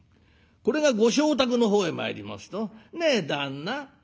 これがご妾宅の方へ参りますと「ねえ旦那」。